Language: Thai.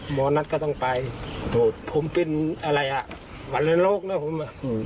หมอนัสก็ต้องไปผมเป็นอะไรอ่ะวันโลกนะผม